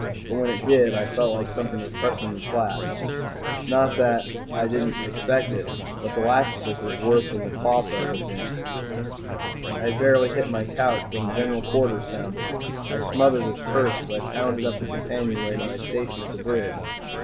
But when it did, I felt like something was crushing me flat. Not that I didn't expect it, but the "Lachesis" was worse than the "Clotho" had ever been. I had barely hit my couch when General Quarters sounded. I smothered a curse as I pounded up the companionway to my station at the bridge.